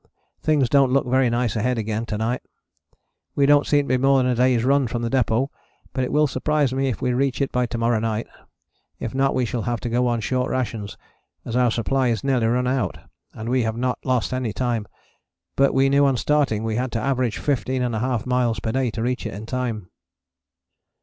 Things dont look very nice ahead again to night. We dont seem to be more than a day's run from the depôt, but it will surprise me if we reach it by to morrow night; if not we shall have to go on short rations, as our supply is nearly run out, and we have not lost any time, but we knew on starting we had to average 15½ miles per day to reach it in time.